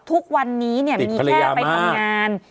ทุกวันนี้มีแค่ไปทำงาน